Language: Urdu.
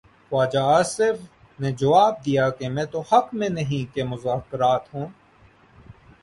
خواجہ آصف نے جواب دیا کہ میں تو حق میں نہیں کہ مذاکرات ہوں۔